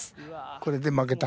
これで負けた？